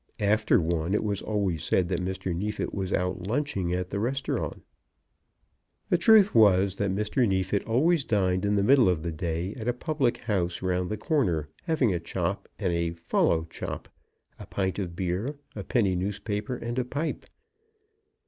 After one it was always said that Mr. Neefit was lunching at the Restaurong. The truth was that Mr. Neefit always dined in the middle of the day at a public house round the corner, having a chop and a "follow chop," a pint of beer, a penny newspaper and a pipe.